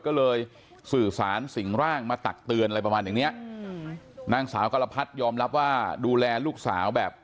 ก็เลยสื่อสารสิ่งร่างมาตักเตือนอะไรประมาณอย่างเนี้ยอืมนางสาวกรพัดยอมรับว่าดูแลลูกสาวแบบ